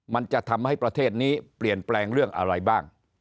มันจะทำให้ประเทศนี้เปลี่ยนแปลงเรื่องอะไรบ้าง